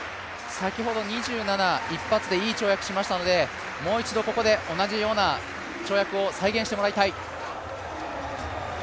先ほど２７、一発でいい跳躍をしましたのでもう一度、ここで同じような跳躍を再現してもらいたい。